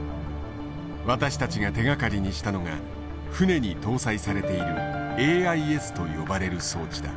私たちが手がかりにしたのが船に搭載されているＡＩＳと呼ばれる装置だ。